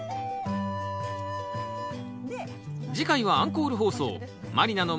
次回はアンコール放送。